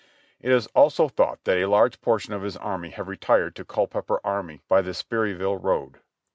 It is also thought that a large portion of his army have retired to Culpeper army by the Sperryville road."